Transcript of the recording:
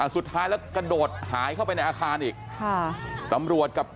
สุดท้ายแล้วกระโดดหายเข้าไปในอาคารอีก